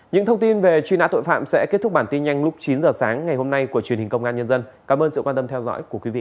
những thông tin về truy nã tội phạm sẽ kết thúc bản tin nhanh lúc chín giờ sáng ngày hôm nay của truyền hình công an nhân dân cảm ơn sự quan tâm theo dõi của quý vị